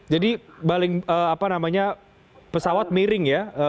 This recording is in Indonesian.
jadi baling apa namanya pesawat miring ya